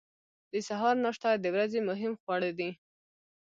د سهار ناشته د ورځې مهم خواړه دي.